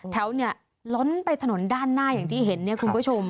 แถวเนี่ยล้นไปถนนด้านหน้าอย่างที่เห็นเนี่ยคุณผู้ชม